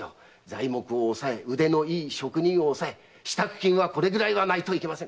材木と腕のいい職人を押さえ支度金はこれぐらいはないといけません。